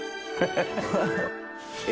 ハハハ